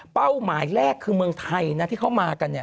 หมายแรกคือเมืองไทยนะที่เขามากันเนี่ย